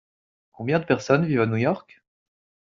Combien de personnes vivent à New York ?